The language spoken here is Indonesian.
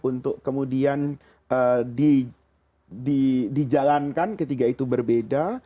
untuk kemudian dijalankan ketika itu berbeda